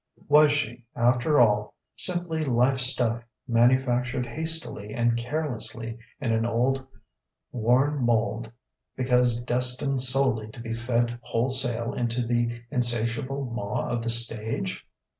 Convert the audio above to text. Was she, after all, simply life stuff manufactured hastily and carelessly in an old, worn mould, because destined solely to be fed wholesale into the insatiable maw of the stage?